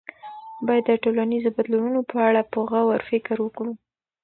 باید د ټولنیزو بدلونونو په اړه په غور فکر وکړو.